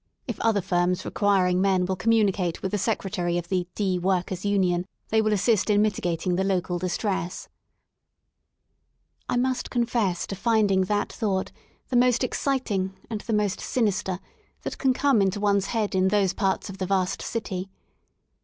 If other firms requiring men will commu nicate with the secretary of the D — workers' Union they will assist in mitigating the local distress/' I must confess to finding that thought the most ex citing and the most sinister that can come into one's head in those parts of the vast city.